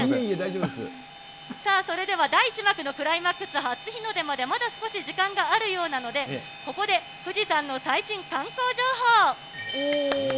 さあそれでは、第１幕のクライマックス、初日の出まで、まだ少し時間があるようなので、ここで富士山の最新観光情報。